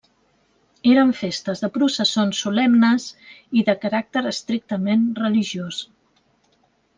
Eren festes de processons solemnes i de caràcter estrictament religiós.